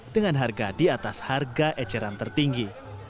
dengan harga di atas harga eceran tertinggi